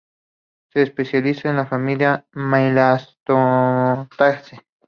Se especializa en la familia Melastomataceae.